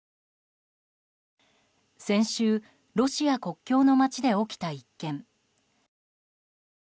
先週ロシア国境の街で起きた一件。